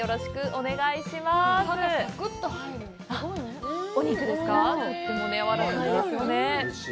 お肉、とてもやわらかいですよね。